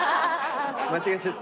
間違えちゃった。